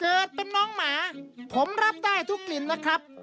เกิดเป็นน้องหมาผมรับได้ทุกกลิ่นนะครับ